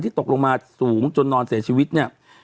ตกลงมาสูงจนนอนเสียชีวิตเนี่ย